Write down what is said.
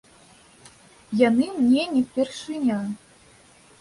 Яны мне не першыня.